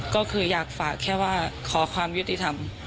ก็คืออยากฝากแค่ว่าขอความยุติธรรม